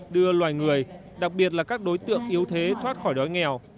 đưa loài người đặc biệt là các đối tượng yếu thế thoát khỏi đói nghèo